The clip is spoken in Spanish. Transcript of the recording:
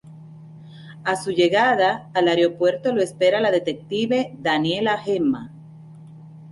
A su llegada al aeropuerto lo espera la detective Daniela Gemma.